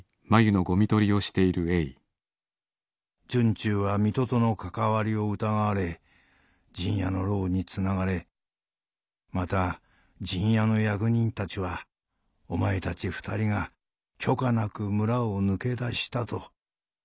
惇忠は水戸との関わりを疑われ陣屋の牢につながれまた陣屋の役人たちはお前たち２人が許可なく村を抜け出したとお怒りのご様子だ」。